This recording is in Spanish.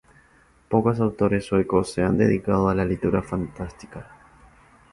Pocos autores suecos se han dedicado a la literatura fantástica.